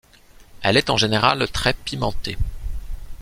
Elle est en général très pimentée.